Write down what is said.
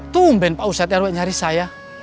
tumben pak ustadz rw nyari saya